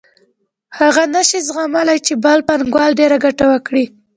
هغه نشي زغملای چې بل پانګوال ډېره ګټه وکړي